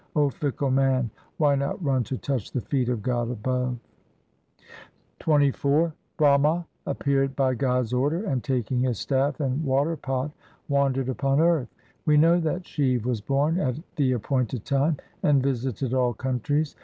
O fickle man, why not run to touch the feet of God above. XXIV Brahma appeared by God's order and taking his staff and waterpot wandered upon earth. We know that Shiv was born at the appointed time, and visited all countries.